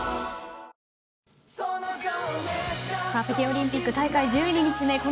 北京オリンピック大会１２日目。